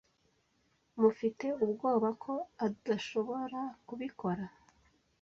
Mufite ubwoba ko addushoborakubikora.